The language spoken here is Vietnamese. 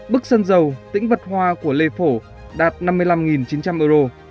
bức sân dầu tĩnh vật hoa của lê phổ đạt năm mươi năm chín trăm linh euro